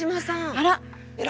あら！